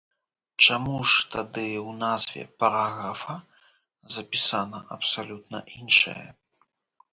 Чаму ж тады ў назве параграфа запісана абсалютна іншае?